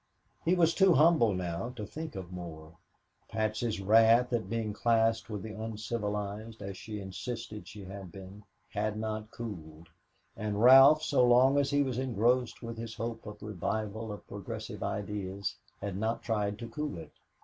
He was too humble now to think of more. Patsy's wrath at being classed with the uncivilized, as she insisted she had been, had not cooled, and Ralph, so long as he was engrossed with his hope of revival of progressive ideas, had not tried to cool it.